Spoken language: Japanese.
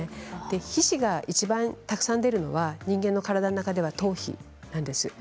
皮脂がいちばんたくさん出るのは人間の体の中では頭皮なんですね。